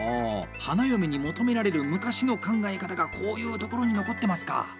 花嫁に求められる昔の考え方がこういうところに残ってますか。